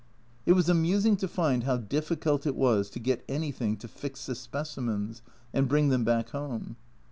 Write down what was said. It was amusing to find how difficult it was to get anything to fix the specimens and bring them back home.